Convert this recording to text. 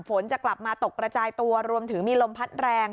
ฝนจะกลับมาตกกระจายตัวรวมถึงมีลมพัดแรง